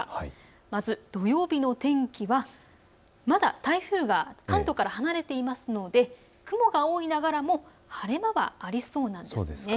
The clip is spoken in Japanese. まず土曜日の天気はまだ台風が関東から離れていますので雲が多いながらも晴れ間はありそうなんです。